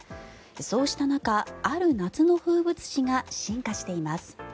そうした中、ある夏の風物詩が進化しています。